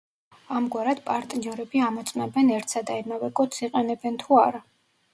ამგვარად პარტნიორები ამოწმებენ, ერთსა და იმავე კოდს იყენებენ თუ არა.